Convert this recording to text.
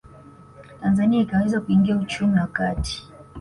Tanzania ikaweza kuingia uchumi wa kati